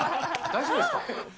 大丈夫ですか。